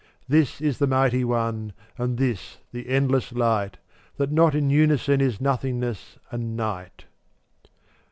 This is the mighty One, And this the endless Light; That not in unison Is nothingness and night.